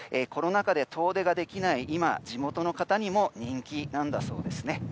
コロナ禍で遠出ができない今地元の方にも人気なんだそうですね。